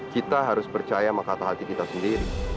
kita harus percaya sama kata hati kita sendiri